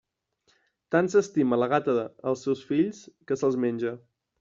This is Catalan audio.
Tant s'estima la gata els seus fills, que se'ls menja.